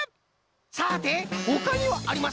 さてほかにはありますかな？